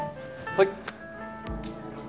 はい。